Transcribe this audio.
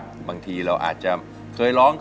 อเรนนี่มันดีค่ะเพราะว่าทางเรามึ่นตึ๊บเลยค่ะจินตลา